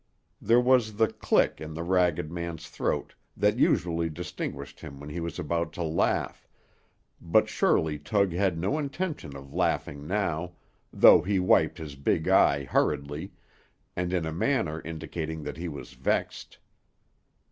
There was the click in the ragged man's throat that usually distinguished him when he was about to laugh, but surely Tug had no intention of laughing now, though he wiped his big eye hurriedly, and in a manner indicating that he was vexed.